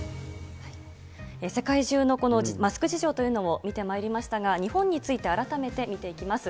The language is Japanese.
世界中のマスク事情というのを見てまいりましたが、日本について改めて見ていきます。